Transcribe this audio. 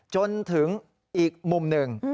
จนถึงอีกมุมหนึ่ง